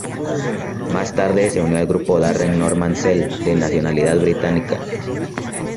Más tarde se unió al grupo Darren Norman Sell, de nacionalidad británica.